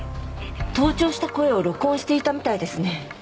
盗聴した声を録音していたみたいですね。